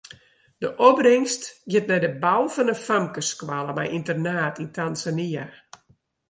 De opbringst giet nei de bou fan in famkesskoalle mei ynternaat yn Tanzania.